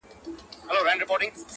• ژوند د درسونو مجموعه ده تل,